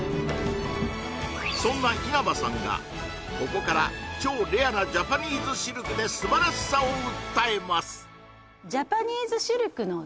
そんな稲葉さんがここから超レアなジャパニーズシルクで素晴らしさを訴えます